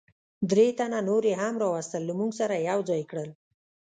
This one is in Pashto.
درې تنه نور یې هم را وستل، له موږ سره یې یو ځای کړل.